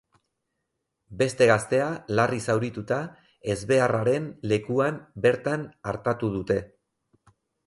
Beste gaztea, larri zaurituta, ezbeharraren lekuan bertan artatu dute.